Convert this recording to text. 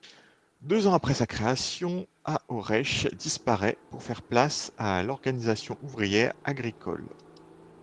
Deux ans après sa création, Hahoresh disparait pour faire place à l'Organisation ouvrière agricole.